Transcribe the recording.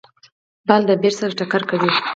بال د بېټ سره ټکر کوي.